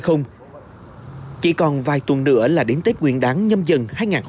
không chỉ còn vài tuần nữa là đến tết nguyện đáng nhâm dần hai nghìn hai mươi hai